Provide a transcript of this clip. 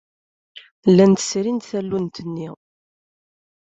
Llant srint tallunt-nni.